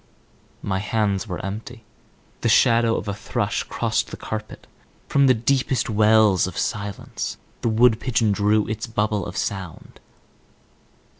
My hands were empty. The shadow of a thrush crossed the carpet; from the deepest wells of silence the wood pigeon drew its bubble of sound.